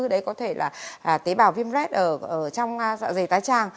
đấy có thể là tế bào viêm red trong dạ dày tái tràng